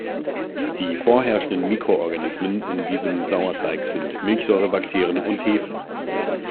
Die vorherrschenden Mikroorganismen in diesem Sauerteig sind Milchsäurebakterien und Hefen.